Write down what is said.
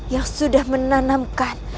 yang sudah menanamkan